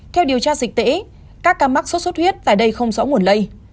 theo điều tra dịch tễ các ca mắc sốt xuất huyết tại đây không rõ nguồn lây